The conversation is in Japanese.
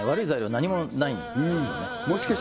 何もないんですよね